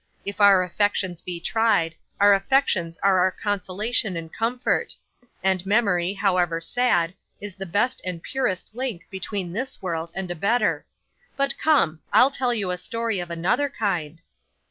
If our affections be tried, our affections are our consolation and comfort; and memory, however sad, is the best and purest link between this world and a better. But come! I'll tell you a story of another kind.